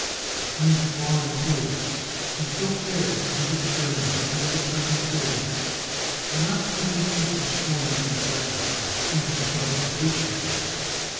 The few foreign tourists who still care to visit Germany under the present tyranny are not taken into storm troop barracks or into concentration camps.